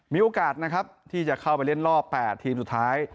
มีโอกาสนะครับที่จะเข้าไปเล่นรอบ๘ทีมสุดท้าย